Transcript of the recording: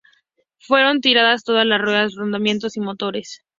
Fueron tiradas todas las ruedas, rodamientos y motores.